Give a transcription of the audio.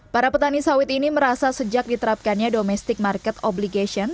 para petani sawit ini merasa sejak diterapkannya domestic market obligation